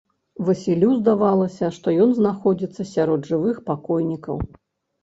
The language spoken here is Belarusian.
Васілю здавалася, што ён знаходзіцца сярод жывых пакойнікаў.